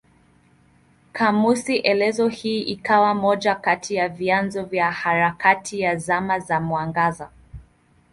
Kamusi elezo hii ikawa moja kati ya vyanzo vya harakati ya Zama za Mwangaza.